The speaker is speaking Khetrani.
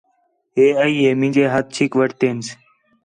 ہے ای ہِے مینجے ہَتھ چِھک وٹھتینس